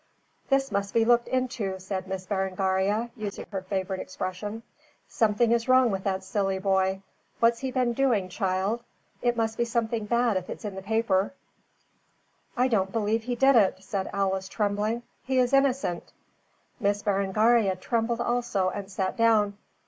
"This must be looked into," said Miss Berengaria, using her favorite expression. "Something is wrong with that silly boy. What's he been doing, child? It must be something bad if it's in the paper." "I don't believe he did it," said Alice, trembling. "He is innocent." Miss Berengaria trembled also and sat down.